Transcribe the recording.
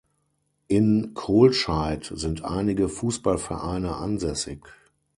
In Kohlscheid sind einige Fußballvereine ansässig.